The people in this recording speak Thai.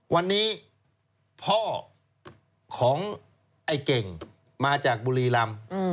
วันนี้พ่อของไอ้เก่งมาจากบุรีรำ